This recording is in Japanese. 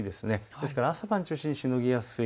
ですから朝晩中心にしのぎやすい。